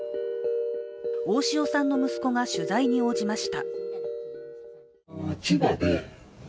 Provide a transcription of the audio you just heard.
大塩さんの息子が取材に応じました。